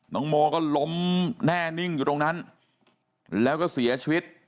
น้องโมก็ล้มแน่นิ่งอยู่ตรงนั้นแล้วก็เสียชีวิต